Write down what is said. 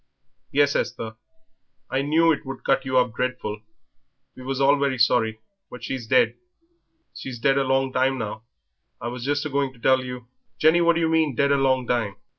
"Yes Esther. I knew it would cut you up dreadful; we was all very sorry, but she's dead. She's dead a long time now, I was just a going to tell you " "Jenny, what do you mean? Dead a long time?"